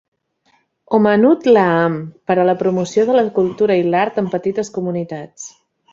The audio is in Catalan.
Omanut Laam, per a la promoció de la cultura i l'art en petites comunitats.